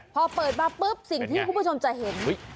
พอเปิดมาปุ๊บสิ่งที่คุณผู้ชมจะเห็น